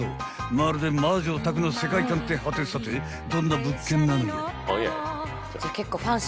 ［まるで『魔女宅』の世界観ってはてさてどんな物件なのよ］